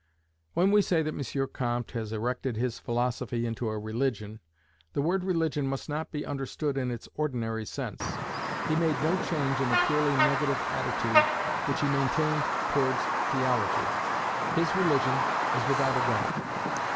When we say that M. Comte has erected his philosophy into a religion, the word religion must not be understood in its ordinary sense. He made no change in the purely negative attitude which he maintained towards theology: his religion is without a God.